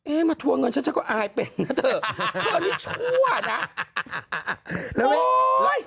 เอ๊ะมาทั่วเงินฉันฉันก็อายเป็นนะเถอะเธอนี่ชั่วนะโอ้ย